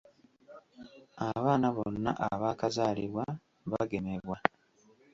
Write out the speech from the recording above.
Abaana bonna abaakazaalibwa bagemebwa.